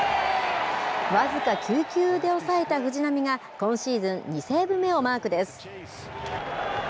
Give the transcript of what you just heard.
僅か９球で抑えた藤浪が今シーズン、２セーブ目をマークです。